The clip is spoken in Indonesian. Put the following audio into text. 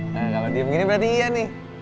nah kalo dia begini berarti iya nih